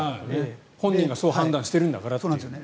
本人がそう判断しているからと。